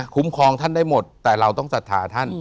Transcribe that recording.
ครองท่านได้หมดแต่เราต้องศรัทธาท่าน